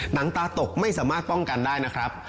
หนังตาตกไม่สามารถป้องกันได้นะครับ